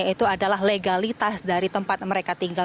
yaitu adalah legalitas dari tempat mereka tinggal